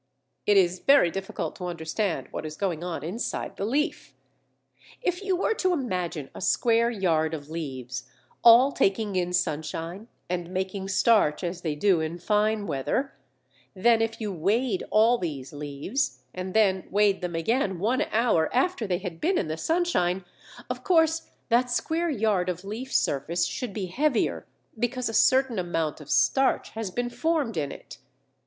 It is very difficult to understand what is going on inside the leaf. If you were to imagine a square yard of leaves all taking in sunshine and making starch as they do in fine weather; then if you weighed all these leaves, and then weighed them again one hour after they had been in the sunshine, of course that square yard of leaf surface should be heavier, because a certain amount of starch has been formed in it.